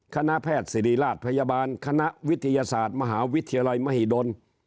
คณะแพทย์ศิริราชพยาบาลคณะวิทยาศาสตร์มหาวิทยาลัยมหิดล